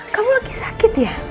kamu lagi sakit ya